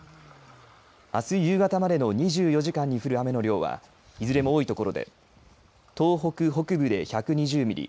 あす夕方までの２４時間に降る雨の量はいずれも多い所で東北北部で１２０ミリ